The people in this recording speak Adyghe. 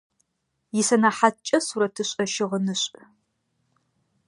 Исэнэхьаткӏэ сурэтышӏэ-щыгъынышӏ.